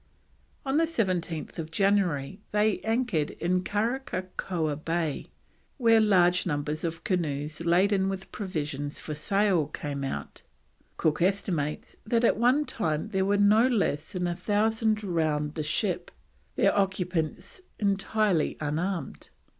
On 17th January they anchored in Karakakoa Bay, where large numbers of canoes laden with provisions for sale came out; Cook estimates that at one time there were no less than a thousand round the ship, their occupants entirely unarmed.